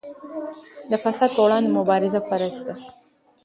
د فساد پر وړاندې مبارزه فرض ده.